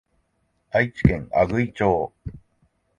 愛知県阿久比町